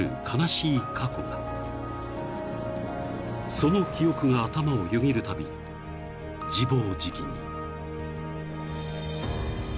［その記憶が頭をよぎるたび自暴自棄に］